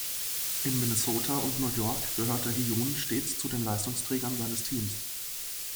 In Minnesota und New York gehörte Hyun stets zu den Leistungsträgern seines Teams.